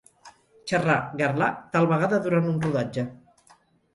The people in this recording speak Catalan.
Xerrar, garlar, tal vegada durant un rodatge.